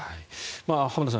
浜田さん